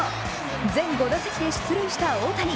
全５打席で出塁した大谷。